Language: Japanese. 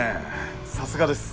さすがです。